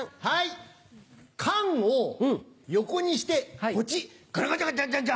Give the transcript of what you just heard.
「缶」を横にしてポチ！